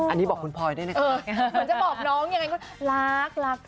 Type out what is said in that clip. อันนี้บอกคุณพลอยด้วยนะคะ